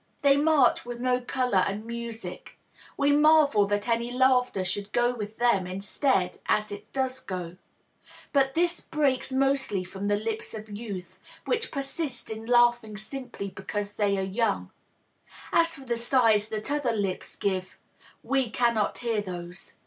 They march with no color and music ; we marvel that any laughter should go with them instead, as it does go ; but this breaks mostly from the lips of youth, which persist in laughing simply because they are young. As for the sighs that other lips give, we cannot hear those.